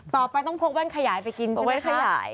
ต่อไปต้องพกว่านขยายไปกินใช่ไหมคะพกว่านขยาย